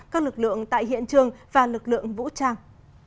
các lực lượng tại hiện trường và lực lượng vũ trang